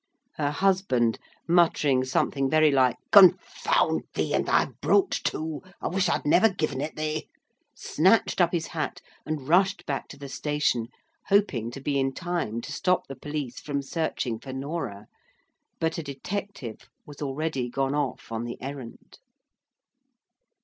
Her husband muttering something very like "Confound thee and thy brooch too! I wish I'd never given it thee," snatched up his hat, and rushed back to the station; hoping to be in time to stop the police from searching for Norah. But a detective was already gone off on the errand.